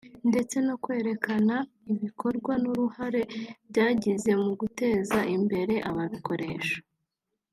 ndetse no kwerekana ibikorwa n’uruhare byagize mu guteza imbere aba bikoresha